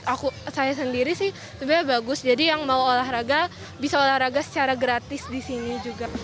aku saya sendiri sih sebenarnya bagus jadi yang mau olahraga bisa olahraga secara gratis di sini juga